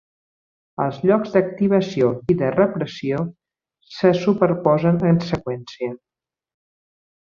Els llocs d'activació i de repressió se superposen en seqüència.